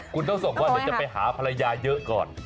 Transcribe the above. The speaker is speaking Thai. คุณต้องส่งว่าเดี๋ยวจะไปหาภรรยาเยอะก่อน